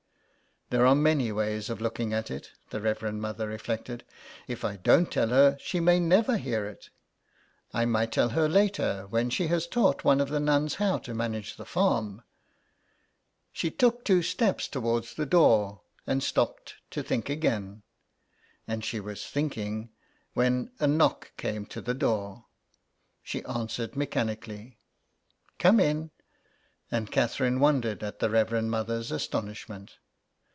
''There are many ways of looking at it," the Reverend Mother reflected. '' If I don't tell her, she may never hear it. I might tell her later, when she has taught one of the nuns how to manage the farm." She took two steps towards the door and stopped to think again, and she was thinking when a knock came to the door. She answered mechanically, " Come in," and Catherine wondered at the Reverend Mother's astonishment.